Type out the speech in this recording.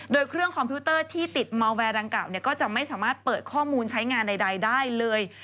โดยเครื่องคอมพิวเตอร์ที่ติดมาแวร์ดังกล่าก็จะไม่สามารถเปิดข้อมูลใช้งานใดได้เลย